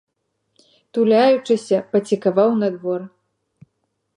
Туляючыся, пацікаваў на двор.